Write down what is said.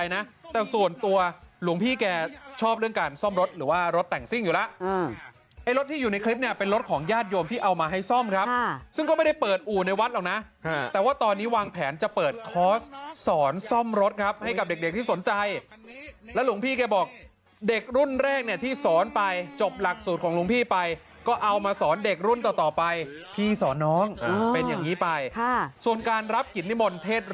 หลวงพี่บอกก็มีมีญาติโยมมานิมนต์